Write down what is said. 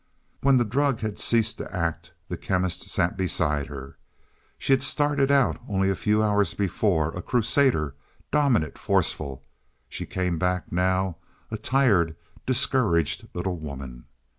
When the drug had ceased to act, the Chemist sat beside her. She had started out only a few hours before a crusader, dominant, forceful; she came back now, a tired, discouraged little woman.